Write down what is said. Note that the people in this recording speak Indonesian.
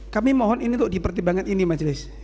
kami mohon ini untuk dipertimbangkan ini majelis